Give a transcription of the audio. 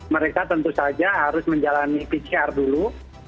mereka tentu saja harus menjalani pcr dulu